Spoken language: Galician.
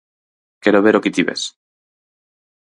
Quero ver o que ti ves.